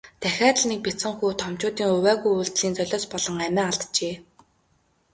Дахиад л нэгэн бяцхан хүү томчуудын увайгүй үйлдлийн золиос болон амиа алджээ.